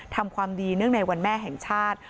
ทำความดีเนื่องในวันแม่แห่งชาติ